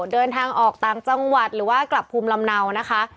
เดินทางออกต่างจังหวัดหรือว่ากลับภูมิลำเนานะคะ